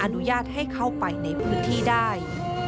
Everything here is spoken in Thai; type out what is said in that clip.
อนุญาตให้เข้าไปในพื้นที่ได้